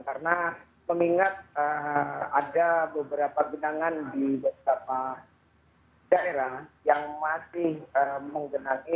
karena pemingat ada beberapa benangan di beberapa daerah yang masih menggenangi